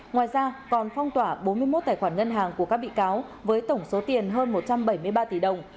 ngoài ra còn phong tỏa bốn mươi một tài khoản ngân hàng của các bị cáo với tổng số tiền hơn một trăm bảy mươi ba tỷ đồng